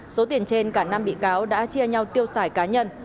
số tiền trên cả năm bị cáo đã chia nhau tiêu xài cá nhân